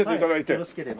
よろしければ。